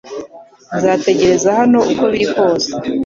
Nzategereza hano uko biri kose